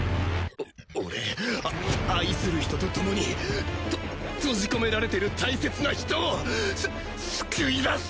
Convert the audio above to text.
お俺あ愛する人と共にと閉じ込められてる大切な人をす救い出す！